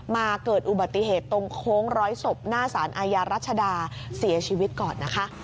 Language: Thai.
เกิดอุบัติเหตุตรงโค้งร้อยศพหน้าสารอาญารัชดาเสียชีวิตก่อนนะคะ